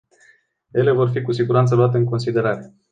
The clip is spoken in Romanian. Ele vor fi cu siguranță luate în considerare.